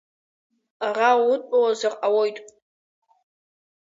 Ара улыдтәалазар ҟалоит.